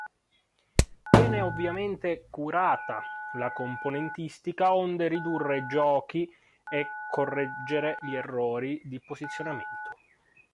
Viene ovviamente curata la componentistica onde ridurre giochi e correggere gli errori di posizionamento.